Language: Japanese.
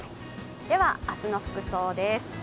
では明日の服装です。